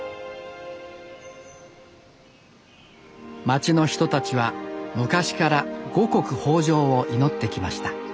町の人たちは昔から五穀豊じょうを祈ってきましたあ。